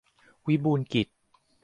วิบูลย์กิจ